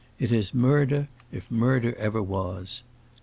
It is murder, if murder ever was.